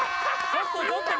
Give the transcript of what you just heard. ちょっとちょっと！